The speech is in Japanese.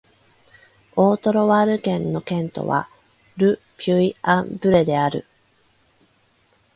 オート＝ロワール県の県都はル・ピュイ＝アン＝ヴレである